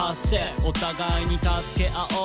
「お互いに助け合おう